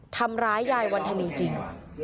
ทำร้ายายวรรษณีย์จริง